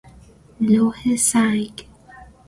لوح سنگ